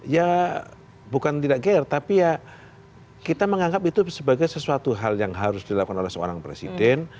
ya bukan tidak gere tapi ya kita menganggap itu sebagai sesuatu hal yang harus dilakukan oleh seorang presiden